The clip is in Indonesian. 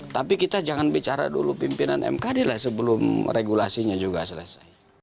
tapi kita jangan bicara dulu pimpinan mkd lah sebelum regulasinya juga selesai